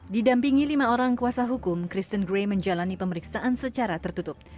didampingi lima orang kuasa hukum kristen gray menjalani pemeriksaan secara tertutup